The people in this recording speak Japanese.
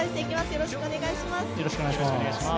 よろしくお願いします。